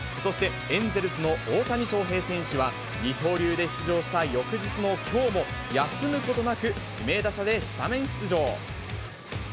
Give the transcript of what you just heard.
そして、エンゼルスの大谷翔平選手は、二刀流で出場した翌日のきょうも、休むことなく、指名打者でスタメン出場。